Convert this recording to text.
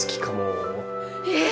えっ！？